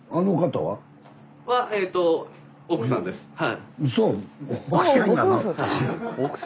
はい。